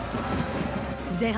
前半